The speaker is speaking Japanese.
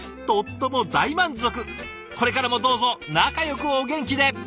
これからもどうぞ仲よくお元気で！